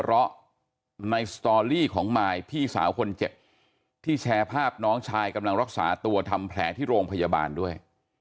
เพราะในสตอรี่ของมายพี่สาวคนเจ็บที่แชร์ภาพน้องชายกำลังรักษาตัวทำแผลที่โรงพยาบาลด้วย